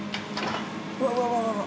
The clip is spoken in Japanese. うわうわうわうわ！